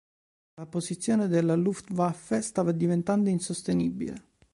La posizione della Luftwaffe stava diventando insostenibile.